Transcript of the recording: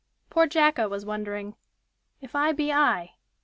Poor Jacko was wondering "If I be I?"